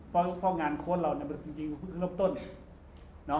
เพราะว่างานโค้ดเราจริงขึ้นรอบต้น